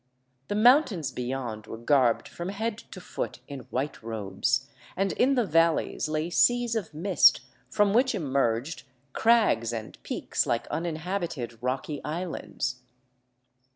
The mountains beyond were garbed from head to foot in white robes, and in the valleys lay seas of mist from which emerged crags and peaks like uninhabited, rocky islands.